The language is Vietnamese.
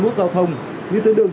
thực ra hôm nay là quá đông